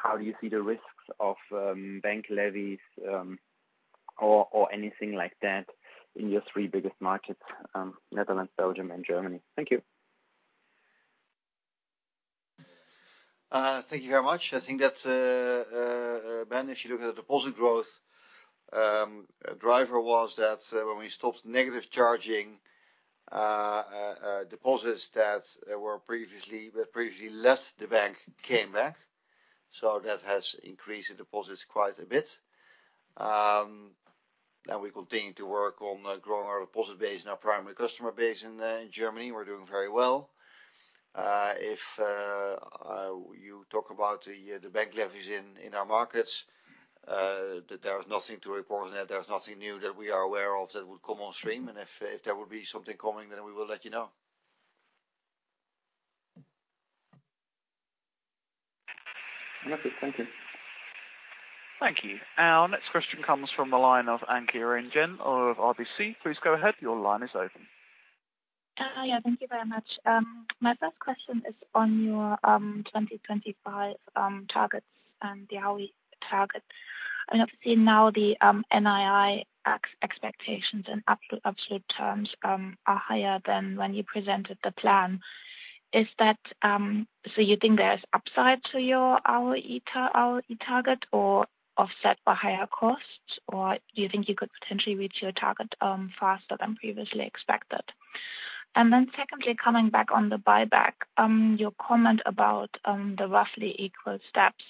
how do you see the risks of bank levies, or anything like that in your three biggest markets, Netherlands, Belgium, and Germany. Thank you. Thank you very much. I think that's Ben, if you look at the deposit growth driver was that when we stopped negative charging, deposits that were previously left the bank came back, so that has increased the deposits quite a bit. Now we continue to work on growing our deposit base and our primary customer base in Germany, we're doing very well. If you talk about the bank levies in our markets, there's nothing to report on that, there's nothing new that we are aware of that would come on stream. If there would be something coming, then we will let you know. Wonderful. Thank you. Thank you. Our next question comes from the line of Anke Reingen of RBC. Please go ahead. Your line is open. Yeah, thank you very much. My first question is on your 2025 targets and the ROE target. Obviously now the NII expectations in absolute terms are higher than when you presented the plan. Is that so you think there is upside to your ROE target or offset by higher costs? Or do you think you could potentially reach your target faster than previously expected? Secondly, coming back on the buyback, your comment about the roughly equal steps,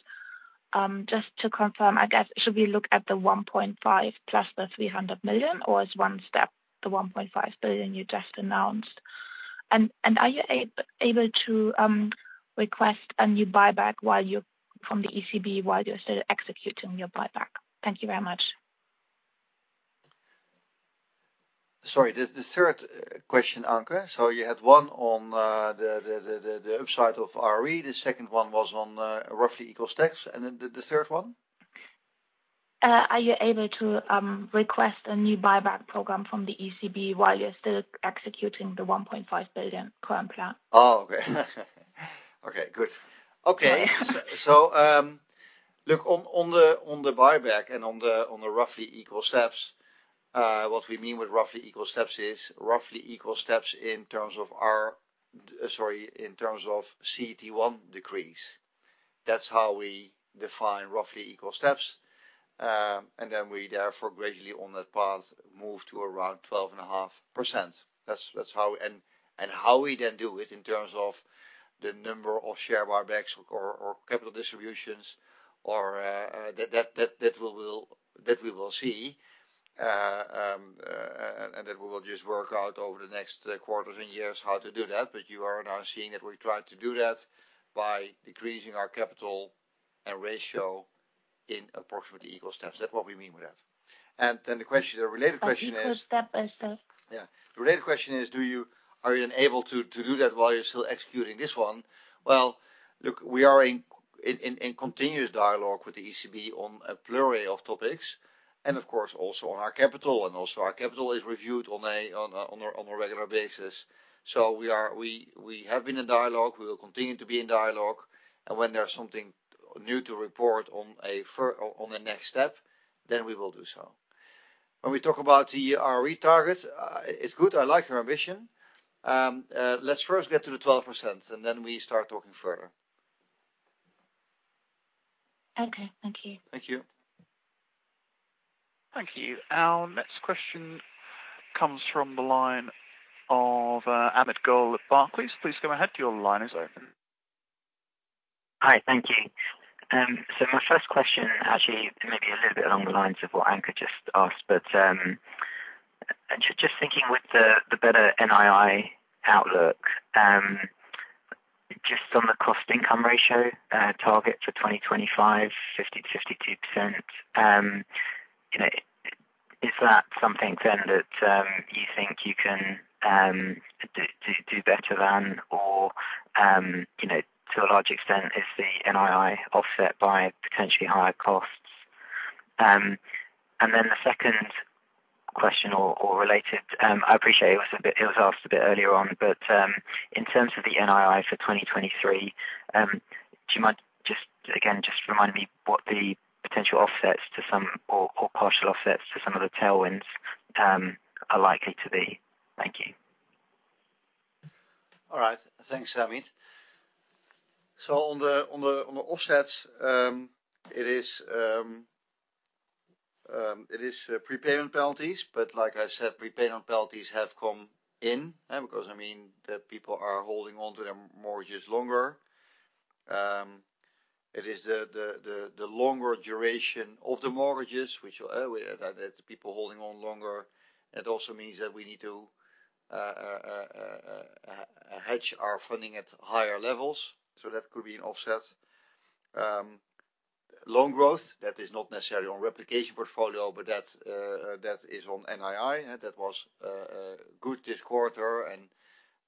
just to confirm, I guess, should we look at the 1.5 billion plus the 300 million, or as one step, the 1.5 billion you just announced? Are you able to request a new buyback from the ECB while you're still executing your buyback? Thank you very much. Sorry. The third question, Anke. You had one on the upside of ROE. The second one was on roughly equal steps. The third one? Are you able to request a new buyback program from the ECB while you're still executing the 1.5 billion current plan? Oh, okay. Okay, good. Okay. Sorry. Look, on the buyback and on the roughly equal steps, what we mean with roughly equal steps is roughly equal steps in terms of CET1 decrease. That's how we define roughly equal steps. Then we therefore gradually, on that path, move to around 12.5%. That's how we then do it in terms of the number of share buybacks or capital distributions or that we will see, and then we will just work out over the next quarters and years how to do that. You are now seeing that we're trying to do that by decreasing our capital ratio in approximately equal steps. That's what we mean with that. The related question is. Equal step as that. Yeah. The related question is, are you then able to do that while you're still executing this one? Well, look, we are in continuous dialogue with the ECB on a plurality of topics, and of course also on our capital, and also our capital is reviewed on a regular basis. We have been in dialogue, we will continue to be in dialogue, and when there's something new to report on the next step, then we will do so. When we talk about the ROE targets, it's good, I like your ambition. Let's first get to the 12%, and then we start talking further. Okay. Thank you. Thank you. Thank you. Our next question comes from the line of Amit Goel at Barclays. Please go ahead. Your line is open. Hi. Thank you. My first question actually may be a little bit along the lines of what Anke just asked, but just thinking with the better NII outlook, just on the cost income ratio target for 2025, 50%-52%, you know, is that something then that you think you can do better than or, you know, to a large extent, is the NII offset by potentially higher costs? Then the second question or related, I appreciate it was a bit, it was asked a bit earlier on, but in terms of the NII for 2023, do you mind just again remind me what the potential offsets to some or partial offsets to some of the tailwinds are likely to be? Thank you. All right. Thanks, Amit. On the offsets, it is prepayment penalties, but like I said, prepayment penalties have come in because I mean that people are holding on to their mortgages longer. It is the longer duration of the mortgages which the people holding on longer. It also means that we need to hedge our funding at higher levels, so that could be an offset. Loan growth, that is not necessarily on replicating portfolio, but that is on NII. That was good this quarter,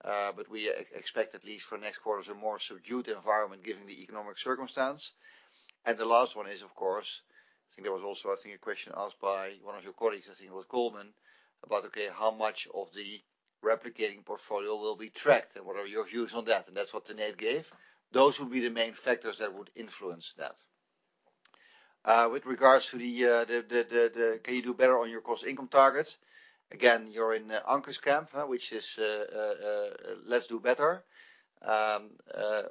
but we expect at least for next quarter is a more subdued environment given the economic circumstance. The last one is, of course, I think there was also, I think, a question asked by one of your colleagues, I think it was Chris Hallam, about, okay, how much of the replicating portfolio will be tracked, and what are your views on that? That's what Tanate Phutrakul gave. Those will be the main factors that would influence that. With regards to then, can you do better on your cost-income targets, again, you're in Anke's camp, which is, let's do better,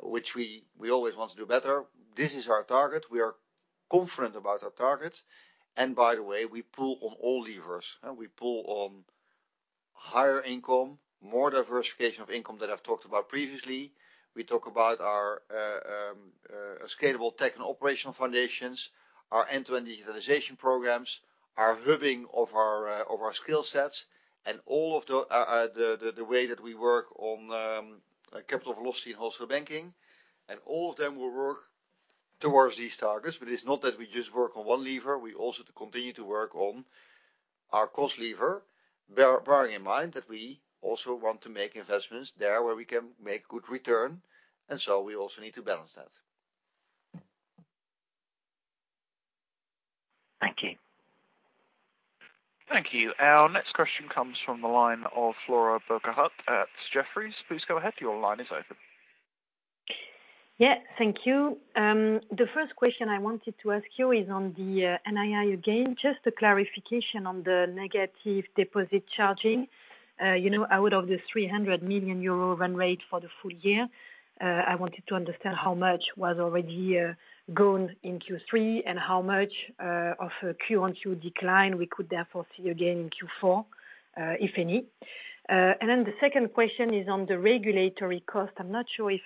which we always want to do better. This is our target. We are confident about our targets. By the way, we pull on all levers. We pull on higher income, more diversification of income that I've talked about previously. We talk about our scalable tech and operational foundations, our end-to-end digitalization programs, our hubbing of our skill sets, and all of the way that we work on capital velocity in Wholesale Banking. All of them will work towards these targets. It's not that we just work on one lever. We also continue to work on our cost lever, bearing in mind that we also want to make investments there where we can make good return, and so we also need to balance that. Thank you. Thank you. Our next question comes from the line of Flora Bocahut at Jefferies. Please go ahead. Your line is open. Yeah, thank you. The first question I wanted to ask you is on the NII again, just a clarification on the negative deposit charging. You know, out of the 300 million euro run rate for the full year, I wanted to understand how much was already gone in Q3 and how much of a quarter-on-quarter decline we could therefore see again in Q4, if any. The second question is on the regulatory cost. I'm not sure if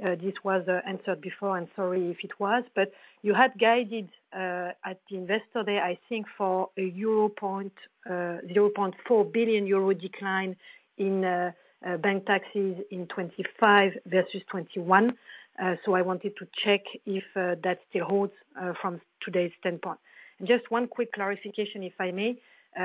this was answered before. I'm sorry if it was, but you had guided at Investor Day, I think for a 0.4 billion euro decline in bank taxes in 2025 versus 2021. I wanted to check if that still holds from today's standpoint. Just one quick clarification, if I may.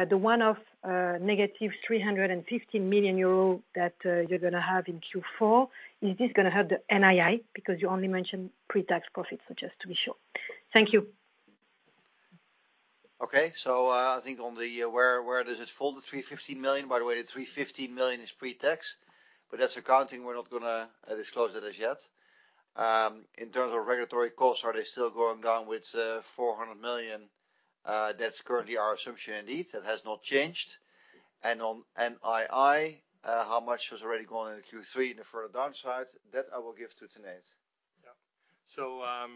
The one-off of -350 million euros that you're gonna have in Q4, is this gonna have the NII? Because you only mentioned pre-tax profits. Just to be sure. Thank you. Okay. I think on the where does it fall, the 315 million. By the way, 315 million is pre-tax, but that's accounting. We're not gonna disclose it as yet. In terms of regulatory costs, are they still going down with 400 million? That's currently our assumption indeed. That has not changed. On NII, how much was already gone in Q3 in the further downsides, that I will give to Tanate Phutrakul. Yeah.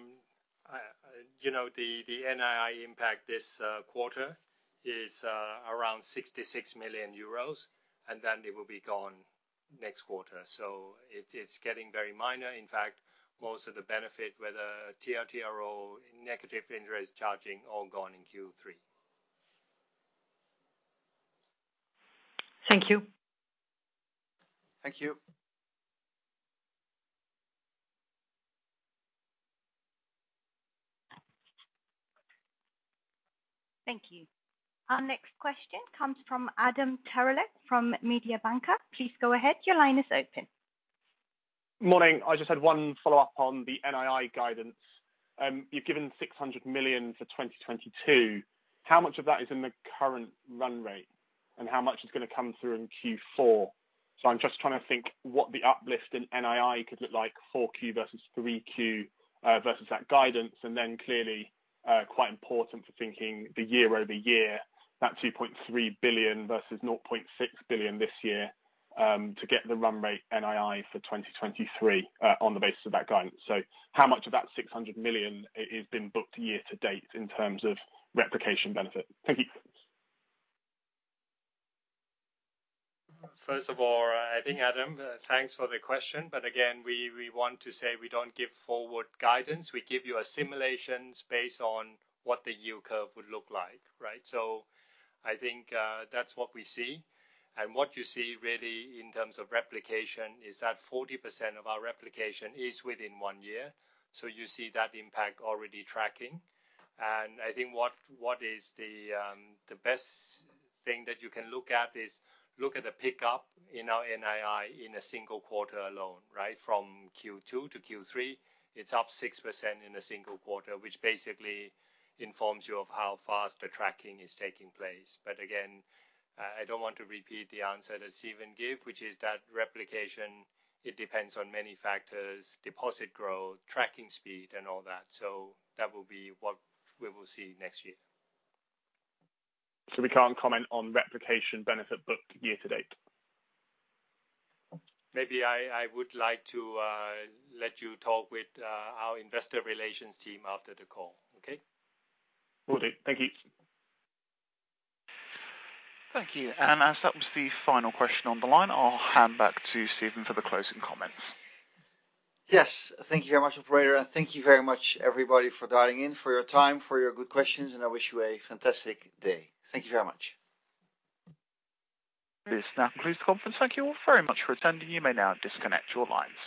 You know, the NII impact this quarter is around 66 million euros, and then it will be gone next quarter. It's getting very minor. In fact, most of the benefit, whether TLTRO, negative interest charging, all gone in Q3. Thank you. Thank you. Thank you. Our next question comes from Adam Terelak from Mediobanca. Please go ahead. Your line is open. Morning. I just had one follow-up on the NII guidance. You've given 600 million for 2022. How much of that is in the current run rate, and how much is gonna come through in Q4? I'm just trying to think what the uplift in NII could look like for Q4 versus Q3 versus that guidance, and then clearly, quite important for thinking the year-over-year, that 2.3 billion versus 0.6 billion this year, to get the run rate NII for 2023 on the basis of that guidance. How much of that 600 million has been booked year to date in terms of replication benefit? Thank you. First of all, I think, Adam, thanks for the question. Again, we want to say we don't give forward guidance. We give you a simulation based on what the yield curve would look like, right? I think, that's what we see. What you see really in terms of replication is that 40% of our replication is within one year. You see that impact already tracking. I think what is the best thing that you can look at is look at the pickup in our NII in a single quarter alone, right? From Q2 to Q3, it's up 6% in a single quarter, which basically informs you of how fast the tracking is taking place. Again, I don't want to repeat the answer that Steven gave, which is that replication, it depends on many factors, deposit growth, tracking speed and all that. That will be what we will see next year. We can't comment on replication benefit booked year to date? Maybe I would like to let you talk with our investor relations team after the call. Okay? Will do. Thank you. Thank you. As that was the final question on the line, I'll hand back to Steven for the closing comments. Yes. Thank you very much, operator. Thank you very much, everybody, for dialing in, for your time, for your good questions. I wish you a fantastic day. Thank you very much. This now concludes the conference. Thank you all very much for attending. You may now disconnect your lines.